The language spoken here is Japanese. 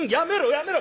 やめろ！